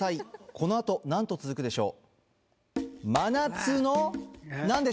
このあと何と続くでしょう